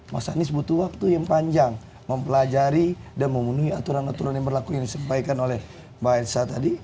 mas anies butuh waktu yang panjang mempelajari dan memenuhi aturan aturan yang berlaku yang disampaikan oleh mbak ersa tadi